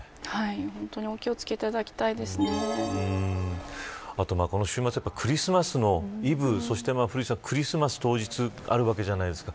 本当にお気を付この週末はクリスマスのイブそしてクリマスマス当日があるわけじゃないですか。